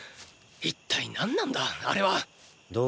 一体何なんだあれはーー！